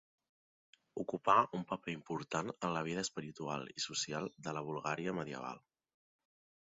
Ocupà un paper important en la vida espiritual i social de la Bulgària medieval.